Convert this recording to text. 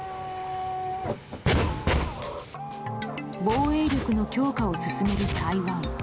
防衛力の強化を進める台湾。